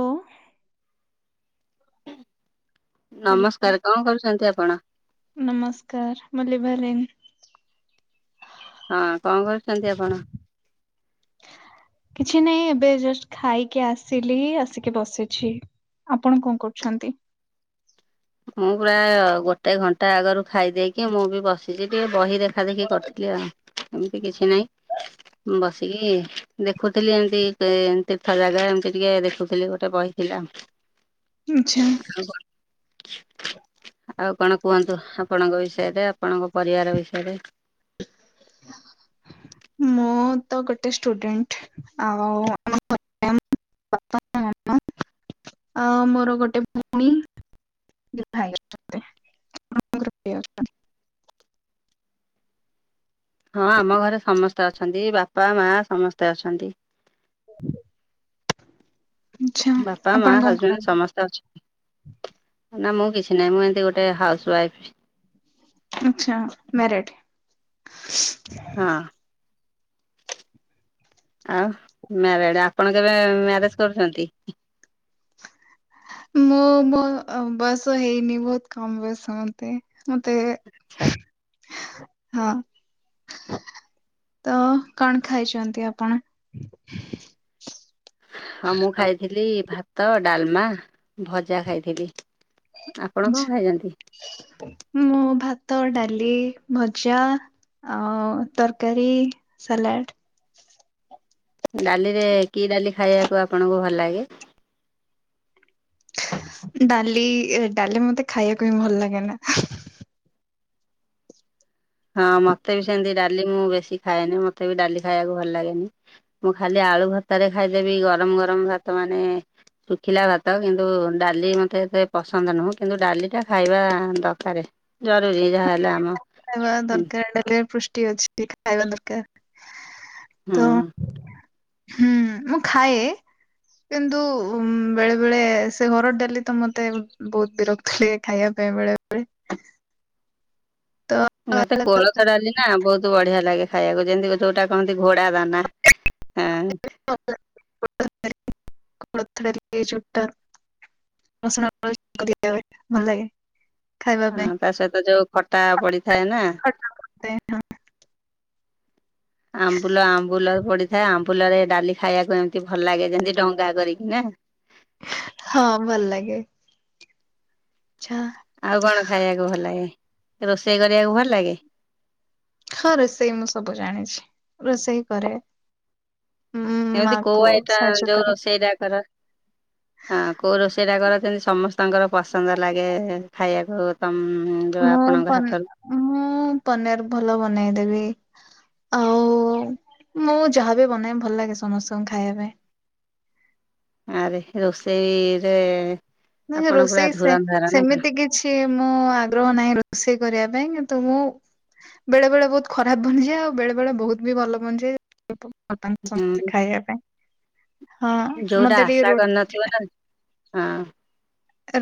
ଓ। Hello ନମସ୍କାର, କଣ କରୁଛନ୍ତି ଆପଣ? ନମସ୍କାର, ମୁଁ ଲିଭାଲିନ। ହଁ କଣ କରୁଛନ୍ତି ଆପଣ? କିଛି ନାଇଁ ଏବେ ଜଷ୍ଟ ଖାଇକି ଆସିଲି, ଆସିକି ବସିଛି। ଆପଣ କଣ କରୁଛନ୍ତି? ମୁଁ ପ୍ରାୟ ଗୋଟେ ଘଣ୍ଟା ଆଗରୁ ଖାଇଦେଇକି ମୁଁ ବି ବସିଛି ଟିକେ ବହି ଦେଖା ଦେଖି କରୁଥିଲି ଆଉ, ଏମିତି କିଛି ନାହିଁ। ବସିକି ଦେଖୁଥିଲି ଏମିତି ତି ତୀର୍ଥ ଜାଗା ଏମତି ଟିକେ ଦେଖୁଥିଲି ଗୋଟେ ବହି। ହେଲାମ। ଆଚ୍ଛା। ଆଉ କଣ କୁହନ୍ତୁ ଆପଣଙ୍କ ବିଷୟରେ ଆପଣଙ୍କ ପରିବାର ବିଷୟରେ। ମୁଁ ତ ଗୋଟେ ଷ୍ଟୁଡେଣ୍ଟ ଆଉ, [unintelligible] ଆଉ ମୋର ଗୋଟେ ଭଉଣୀ ବିବାହେଇଗଲାଣି। [unintelligible] ହଁ ଆମ ଘରେ ସମସ୍ତେ ଅଛନ୍ତି ବାପା ମା ସମସ୍ତେ ଅଛନ୍ତି। ଆଚ୍ଛା ବାପା ଆପଣ ମା କଣ ହଜବେଣ୍ଡ କରନ୍ତି? ସମସ୍ତେ ଅଛନ୍ତି। ନା ମୁଁ କିଛି ନାହିଁ ମୁଁ ଏମିତି ଗୋଟେ ହାଉସ ୱାଇଫ୍। ଆଚ୍ଛା ମ୍ୟାରେଡ। ହଁ। ଆଉ ମ୍ୟାରେଡ, ଆପଣ କେବେ ମ୍ୟାରେଜ କରୁଛନ୍ତି? ମୁଁ ମୋ ବୟସ ହେଇନି ବହୁତ କମ ବୟସ ମତେ ମତେ, ଆଚ୍ଛା। ହଁ। ତ କଣ ଖାଇଛନ୍ତି ଆପଣ? ହଁ ମୁଁ ଖାଇଥିଲି ଭାତ, ଡାଲମା, ଭଜା ଖାଇଥିଲି। ଆପଣ କଣ ଖାଇଛନ୍ତି? ମୁଁ ଭାତ, ଡାଲି, ଭଜା। ଆଉ ତରକାରୀ ସାଲାଡ଼। ଡାଲି ରେ କି ଡାଲି ଖାଇବାକୁ ଆପଣଙ୍କୁ ଭଲ ଲାଗେ? ଡାଲି ଡାଲି ମତେ ଖାଇବାକୁ ହିଁ ଭଲ ଲାଗେନା। ହଁ ମତେ ବି ସେମତି ଡାଲି ମୁଁ ବେଶୀ ଖାଏନି ମତେ ବି ଡାଲି ଖାଇବାକୁ ଭଲ ଲାଗେନି। ମୁଁ ଖାଲି ଆଳୁ ଆଳୁଭତ୍ତା ରେ ଖାଇଦେବି ଗରମ ଗରମ ଭାତ ମାନେ ଶୁଖିଲା ଭାତ, କିନ୍ତୁ ଡାଲି ମୋତେ ଏତେ ପସନ୍ଦ ନୁହଁ କିନ୍ତୁ ଡାଲିଟା ଖାଇବା ଦକାରେ। ଜରୁରୀ ଯାହା ହେଲେ ଆମ ତରକାରୀ ଡାଲିରେ ପୃଷ୍ଟି ଅଛି ଟିକେ ଖାଇବା ଦରକାର। ହୁଁ ତ ହୁଁ ମୁଁ ଖାଏ କିନ୍ତୁ ଉ ବେଳେ ବେଳେ ସେ ଘର ଡାଲି ତ ମତେ ବହୁତ ବିରକ୍ତି ଖାଇବା ପାଇଁ ବେଳେବେେଳେ ତ ମତେ କୋଳଥ ଡାଲି ନା ବହୁତ ବଢିଆ ଲାଗେ ଖାଇବାକୁ ଯେମିତି ଯୋଉଟା କହନ୍ତି ଘୋଡା ଦାନା ହଁ [unintelligible] କୋଳଥ ଡାଲି [unintelligible] ଖାଇବା ହଁ ପାଇଁ ତା ସହିତ ଯୋଉ ଖଟା ପଡିଥାଏ ନା ଖଟ ପଡିଥାଏ ନାଁ ଆମ୍ବୁଲ ଆମ୍ବୁଲ ପଡିଥାଏ ଆମ୍ବୁଲ ରେ ଡାଲି ଖାଇବାକୁ ଏମିତି ଭଲ ଲାଗେ ଯେମିତି ଭଲ ଡଙ୍ଗା ଲାଗେ। କରିକି ନା। ହଁ ଭଲ ଲାଗେ। ଆଚ୍ଛା ଆଉ କଣ ଖାଇବାକୁ ଭଲ ଲାଗେ ରୋଷେଇ କରିବାକୁ ଭଲ ଲାଗେ? ହଁ ରୋଷେଇ ମୁଁ ସବୁ ଜାଣିଛି ରୋଷେଇ କରେ। ଉଁ ମା ଏମିତି କୋଉ କୁ ଆଇଟମ୍ ସାହାଯ୍ୟ ଯୋଉ କରେ ରୋଷେଇଟା କର ହଁ କୋଉ ରୋଷେଇ ଟା କର ଯେମିତି ସମସ୍ତଙ୍କର ପସନ୍ଦ ଲାଗେ ଖାଇବାକୁ। ତମ୍ ମୁଁ ପନ୍ ମୁଁ ପନିର ଭଲ ବନେଇଦେବି। ଆଉ ମୁଁ ଯାହାବି ବନାଏ ଭଲ ଲାଗେ ସମସ୍ତଙ୍କୁ ଖାଇବା ପାଇଁ। ଆରେ ହେ ରୋଷେଇରେ ନାଇଁ ଆପଣ ପୁରା ରୋଷେଇ ସେ ଧୁରନ୍ଧର ନା କଣ? ସେମିତି କି କିଛି ମୁଁ ଆଗ୍ରହ ନାହିଁ ରୋଷେଇ କରିବା ପାଇଁ କିନ୍ତୁ ମୁଁ ବେଳେ ବେଳେ ବହୁତ ଖରାପ ବନିଯାଏ ଆଉ ବେଳେ ବେଳେ ବହୁତ ବି ଭଲ ବନିଯାଏ। ଭଲ ପାଆନ୍ତି ସମସ୍ତେ ହୁଁ ଖାଇବା ପାଇଁ ହଁ ଯୋଉଟା ମତେ ଟିକେ ଆଶା ରୋ କରିନଥିବ ନା ହଁ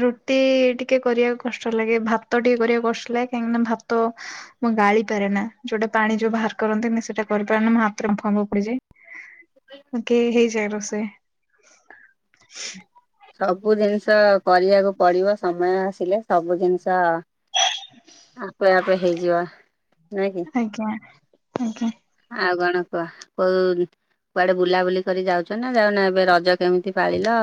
ରୁଟି ଟିକେ କରିବାକୁ କଷ୍ଟ ଲାଗେ ଭାତ ଟିକେ କରିବାକୁ କଷ୍ଟ ଲାଗେ କାହିଁକିନା ଭାତ ମୁଁ ଗାଳି ପାରେ ନାଁ ଯୋଉଟା ପାଣି ଯୋଉ ବାହାର କରନ୍ତିନି ସେଟା କରିପାରେ ନା ମୋ ହାତରେ ବାମ୍ଫଫାମ୍ପ ପଡିଯାଏ। ଓକେ ହେଇଯାଏ ରୋଷେଇ। ସବୁ ଜିନିଷ କରିବାକୁ ପଡିବ ସମୟ ଆସିଲେ ସବୁ ଜିନିଷ ଆପେ ଆପେ ହେଇଯିବ ନାଇଁ କି ଆଜ୍ଞା ଆଜ୍ଞା ଆଉ କଣ କୁହ କ କୁଆଡେ ବୁଲାବୁଲି କରି ଯାଉଛ ନା ଯାଉନା ଏବେ ରଜ କେମିତି ପାଳିଲ?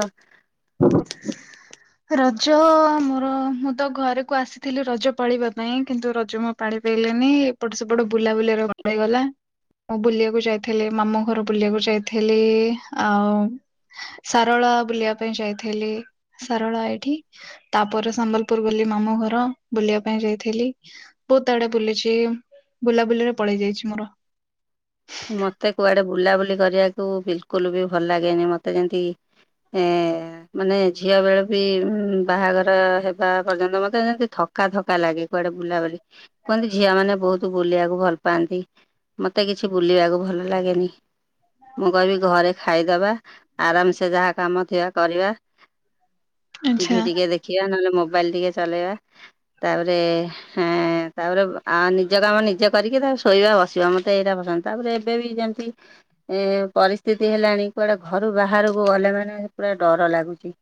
[unintelligible] ରଜ ମୋର ମୁଁ ତ ଘରକୁ ଆସିଥିଲି ରଜ ପାଳିବା ପାଇଁ କିନ୍ତୁ ରଜ ମୋ ପାଣି ପାଇଲିନି ଏପଟ ସେପଟ ବୁଲାବୁଲି କଟିଗଲା ମୁଁ ବୁଲିବାକୁ ଯାଇଥିଲି ମାମୁ ଘର ବୁଲିବାକୁ ଯାଇଥିଲି ଆଉ ସାରଳା ବୁଲିବା ପାଇଁ ଯାଇଥିଲି ସାରଳା ଏଇଠି ତାପରେ ସମ୍ବଲପୁର ଗଲି ମାମୁଁ ଘର ବୁଲିବା ପାଇଁ ଯାଇଥିଲି। ବହୁତ ଆଡେ ବୁଲିଛି ବୁଲାବୁଲିରେ ପଳେଇ ଯାଇଛି ମୋର। ମତେ କୁଆଡେ ବୁଲାବୁଲି କରିବାକୁ ବିଲ୍ କୁଲ୍ ବି ଭଲ ଲାଗେନି ମତେ ଯେମିତି ଏଁ ମାନେ ଝିଅ ବେଳେ ବି ବାହାଘର ହେବା ପର୍ଯ୍ୟନ୍ତ, ମତେ ଯେମିତି ଥକ ଥକା ଥକା ଲାଗେ। କୁଆଡେ ବୁଲାବଲି କୁହନ୍ତି ଝିଅ ମାନେ ବହୁତ ବୁଲିବାକୁ ଭଲ ପାଆନ୍ତି? ମତେ କିଛି କିଛି ବୁଲିବାକୁ ଭଲ ଲାଗେନି, ମୁଁ କହିବି ଘରେ ଖାଇଦବା ଆରାମ ସେ ଯାହା କାମ ଥିବ କରିବା। ଆଚ୍ଛା ଟିଭି ଟିକେ ଦେଖ ଖିବା, ନହେଲେ ମୋବାଇଲ ଟିକେ ଚଲେଇବା, ତାପରେ ହଁ, ତାପରେ ଆଉ ନିଜ କାମ ନିଜେ କରିକି ତାକୁ ଶୋଇବା ବସିବା। ମତେ ଏଇଟା ପସନ୍ଦ। ତାପରେ ଏବେ ବି ଯେମିତି ଏ ପରିସ୍ଥିତି ହେଲାଣି। କୁଆଡେ ଘରୁ ବାହାରକୁ ଗଲେ ମାନେ ପୁରା ଡର ଲାଗୁଛି।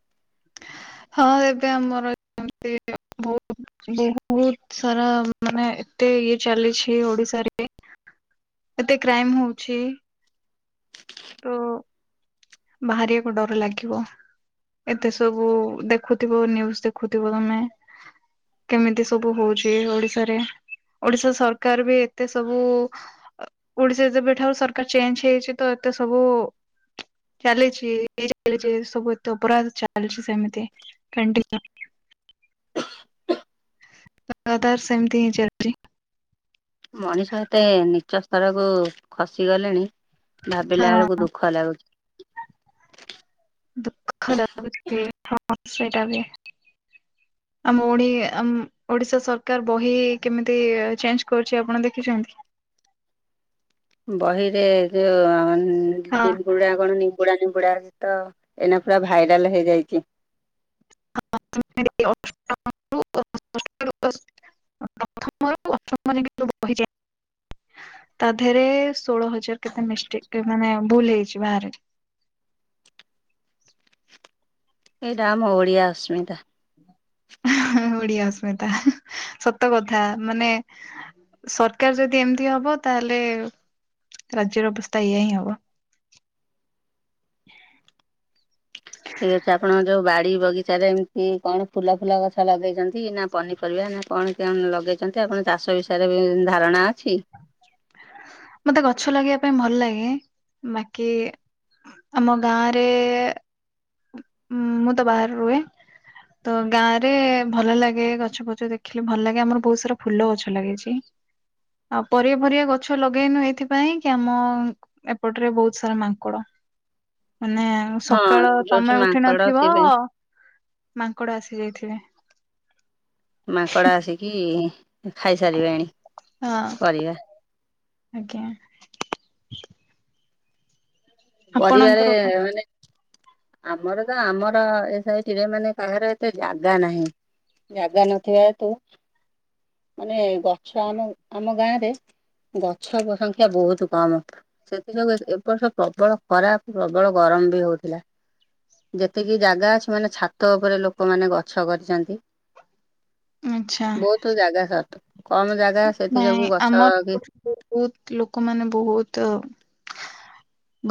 ହଁ ଏବେ ଆମର ଏମିତି ବହୁତ ବହୁତ ସାରା, ମାନେ ଏତେ ଇଏ ଚାଲିଛି ଓଡ଼ିଶାରେ ଏତେ କ୍ରାଇମ ହଉଛି। ତ ବାହାରିବାକୁ ଡର ଲାଗିବ। ଏତେ ସବୁ ଦେଖୁଥିବ, ନିୟୁଜ ଦେଖୁଥିବ ତମେ? କେମିତି ସବୁ ହଉଛି ଓଡ଼ିଶାରେ। ଓଡ଼ିଶା ସରକାର ବି ଏତେ ସବୁ ଓଡ଼ିଶା ଯେବେଠାରୁ ସରକାର ଚେଞ୍ଜ ହେଇଛି ତ, ଏତେ ସବୁ ଚାଲିଛି, ଚାଲିଛି। ସବୁ ଏତେ ଅପରାଧ ଚାଲିଛି ସେମିତି। [unintelligible] କଣ୍ ଲଗାତାର ସେମିତି ହିଁ ଚାଲିଛି। ମଣିଷ ଏତେ ନିଚ ସ୍ତରକୁ ଖସି ଗଲେଣି, ହଁ ଭାବିଲା ବେଳକୁ ଦୁଃଖ ଲାଗୁଛି। ଦୁଃଖ ଲ ସେଇଟା ବି [inaudible] ଆମ ଓଡି ଆମ ଓଡ଼ିଶା ସରକାର ବହି କେମିତି ଚେଞ୍ଜ କରୁଛି ଆପଣ ଦେଖିଛନ୍ତି? ବହିରେ ହଁ ଯୋଉ ବୁଡା କଣ ନିିବୁଡା ନିବୁଡା ତ ଏଇନା ପୁରା ଭାଇରାଲ ହେଇଯାଇଛି। [unintelligible] ପ୍ରଥମରୁ ଅଷ୍ଟମ ଯୁ କହିଯାଏ [unintelligible] ତା ଦେହରେ ଷୋଳ ହଜାର କେତେ ମିଷ୍ଟେକ୍ ମାନେ ଭୁଲ ହେଇଛି ବାହାରେ। ଏଇଟା ଆମ ଓଡ଼ିଆ ଅସ୍ମିତା। ଓଡିଆ ଅସ୍ମିତା ସତ କଥା। ମାନେ ସରକାର ଯଦି ଏମିତି ହବ ତାହେଲେ, ରାଜ୍ୟର ଅବସ୍ଥା ଏଇଆ ହିଁ ହବ। ଠିକ ଅଛି। ଆପଣଙ୍କ ଯୋଉ ବାଡି ବଗିଚାରେ ଏମିତି କଣ ଫୁଲ ଫୁଲ ଗଛ ଲଗେଇଛନ୍ତି ନା ପନିପରିବା ନା କଣ କଣ ଲଗେଇଛନ୍ତି? ଆପଣ ଚାଷ ବିଷୟରେ ବି ଧାରଣା ଅଛି? ମତେ ଗଛ ଲଗେଇବା ପାଇଁ ଭଲ ଲାଗେ। ବାକି ଆମ ଗାଁରେ ଉଁ, ମୁଁ ତ ବାହାରେ ରୁହେ। ତ ଗାଁରେ ଭଲ ଲାଗେ ଗଛ ପଛ ଦେଖିଲେ ଭଲ ଲାଗେ। ଆମର ବହୁତ ସାରା ଫୁଲ ଗଛ ଲାଗିଛି। ଆଉ ପରିବା ଫରିବା ଗଛ ଲଗେଇନୁ ଏଇଥିପାଇଁ କି ଆମ ଏପଟରେ ବହୁତ ସାରା ମାଙ୍କଡ। ମାନେ ହଁ ସକାଳ ଯୋଉଠି ତମେ ଉଠ ଠି ମାଙ୍କଡ ନଥିବ ଥିବେ ମାଙ୍କଡ ଆସି ଯାଇଥିଵେ। ମାଙ୍କଡ ଆସିକି ଖାଇସାରିବେଣି ହଁ ପରିବା? ଆଜ୍ଞା। ପରିବାରେ ଆପଣଙ୍କର କଣ ମାନେ ଆମର ତ ଆମର ଏ ସାଇଟିରେ ମାନେ କାହାର ଏତେ ଜାଗା ନାହିଁ। ଜାଗା ନଥିବା ହେତୁ, ମାନେ ଗଛ ଆମ ଆମ ଗାଁରେ ଗଛ ସଂଖ୍ୟା ବହୁତ କମ୍। ସେଥିଯୋଗୁ ଏବର୍ଷ ପ୍ରବଳ ଖରା, ପ୍ରବଳ ଗରମ ବି ହଉଥିଲା। ଯେତିକି ଜାଗା ଅଛି ମାନେ ଛାତ ଉପରେ ଲୋକମାନେ ଗଛ କରିଛନ୍ତି। ଆଚ୍ଛା। ବହୁତ ଜାଗା ସଟ୍, କମ ଜାଗା ସେଥି ନାଇଁ ଯୋଗୁ ଗଛ ଆମର କି ବହୁତ ଲୋକମାନେ ବହୁତ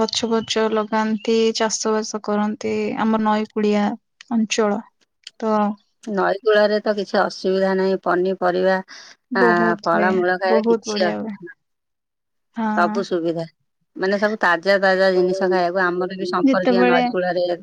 ଗଛ ବଛ ଲଗାନ୍ତି ଚାଷ ବାସ କରନ୍ତି ଆମର ନଈ କୁଳିଆ। ଅଞ୍ଚଳ ତ ନଈକୂଳରେ ତ କିଛି ଅସୁବିଧା ନାହିଁ ପନିପରିବା। ଆ ବହୁତ ହୁଏ ଫଳମୂଳ ଖାଇଲେ ବହୁତ କିଛି ବଢିଆ ହୁଏ। ଅସୁବିଧା ନାହିଁ ହଁ ସବୁ ସୁବିଧା। ମାନେ ସବୁ ତାଜା ତାଜା ଜିନିଷ ଖାଇବାକୁ ଆମର ବି ସମ୍ପର୍କୀୟ ଯେତେବେଳେ ନଈକୂଳରେ।